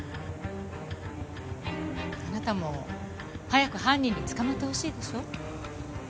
あなたも早く犯人に捕まってほしいでしょ？